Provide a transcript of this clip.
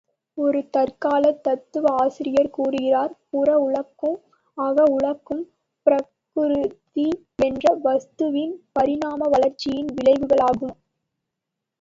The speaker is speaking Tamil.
ஒரு தற்காலத் தத்துவாசிரியர் கூறுகிறார் புற உலகும், அக உலகும், பிரக்ருதி என்ற வஸ்துவின் பரிணாம வளர்ச்சியின் விளைவுகளாகும்.